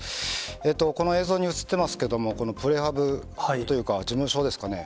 この映像に写ってますけども、このプレハブというか、事務所ですかね。